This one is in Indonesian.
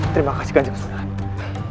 terima kasih ganjeng sunan